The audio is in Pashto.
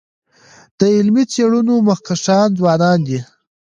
د علمي څيړنو مخکښان ځوانان دي.